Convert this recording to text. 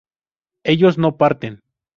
ellos no parten